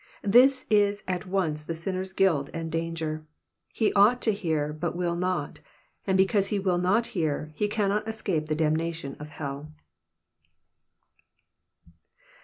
This is at once the sinner's guilt and danger. He ought to hear but will not, and because he will not hear, he caimot escape the damnation of hell.